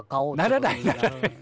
ならないならない。